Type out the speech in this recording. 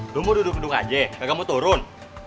lu mau duduk gedung aja kagak mau turun